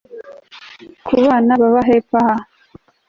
Ku bana baba hepfo aha